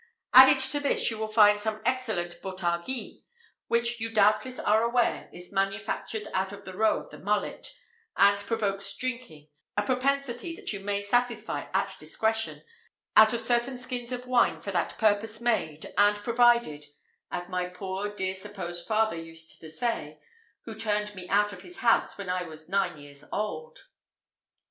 Added to this, you will find some excellent botargis, which you doubtless are aware is manufactured out of the roe of the mullet, and provokes drinking, a propensity that you may satisfy at discretion, out of certain skins of wine for that purpose made and provided as my poor dear supposed father used to say, who turned me out of his house when I was nine years old."